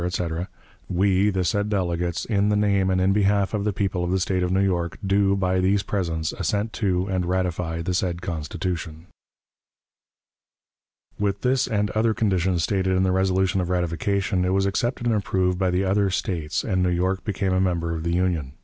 etc., "we, the said delegates, in the name and in behalf of the people of the State of New York, do, by these presents, assent to and ratify the said Constitution." With this and other conditions stated in the resolution of ratification, it was accepted and approved by the other States, and New York became a member of the Union.